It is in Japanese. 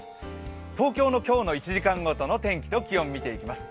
東京の今日の１時間ごとの天気と気温を見ていきます。